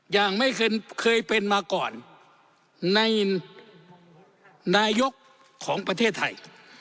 อย่างไม่เคยเป็นมาก่อนในนายกของประเทศไทย